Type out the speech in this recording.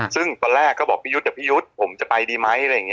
ซึ่งตอนแรกก็บอกพี่ยุทธ์เดี๋ยวพี่ยุทธ์ผมจะไปดีไหม